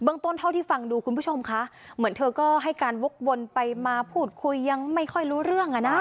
ต้นเท่าที่ฟังดูคุณผู้ชมคะเหมือนเธอก็ให้การวกวนไปมาพูดคุยยังไม่ค่อยรู้เรื่องอ่ะนะ